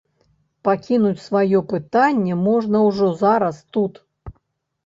Пакінуць сваё пытанне можна ўжо зараз тут.